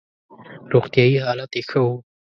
روغتیايي حالت یې ښه وو.